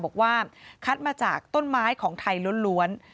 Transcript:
บอกว่าคัดมาจากต้นไม้ของไทยล้วน